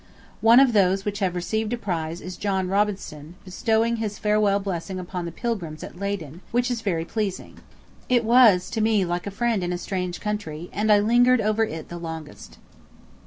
One of those which have received a prize is John Robinson bestowing his farewell blessing upon the Pilgrims at Leyden, which is very pleasing. It was to me like a friend in a strange country, and I lingered over it the longest.